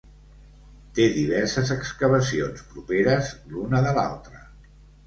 Té diverses excavacions properes l'una de l'altra.